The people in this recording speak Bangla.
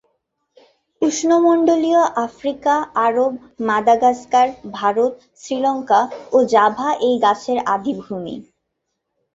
উষ্ণমণ্ডলীয় আফ্রিকা, আরব, মাদাগাস্কার, ভারত, শ্রীলঙ্কা ও জাভা এই গাছের আদি ভূমি।